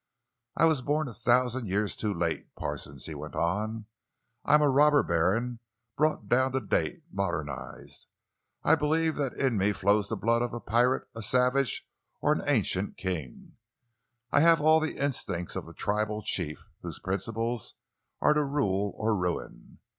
"I was born a thousand years too late, Parsons!" he went on. "I am a robber baron brought down to date—modernized. I believe that in me flows the blood of a pirate, a savage, or an ancient king; I have all the instincts of a tribal chief whose principles are to rule or ruin!